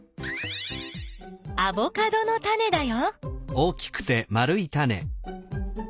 アボカドのタネだよ。